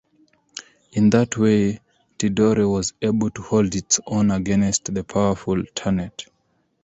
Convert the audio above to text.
In that way Tidore was able to hold its own against the powerful Ternate.